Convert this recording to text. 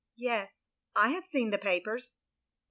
"Yes, I have seen the papers."